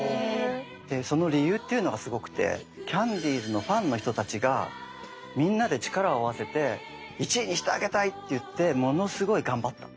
でその理由っていうのがすごくてキャンディーズのファンの人たちがみんなで力を合わせて１位にしてあげたいっていってものすごい頑張った。